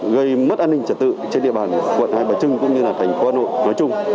gây mất an ninh trật tự trên địa bàn quận hai bà trưng cũng như là thành phố hà nội nói chung